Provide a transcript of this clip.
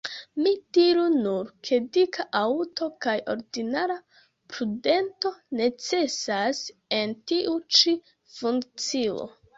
Mi diru nur, ke dika haŭto kaj ordinara prudento necesas en tiu ĉi funkcio.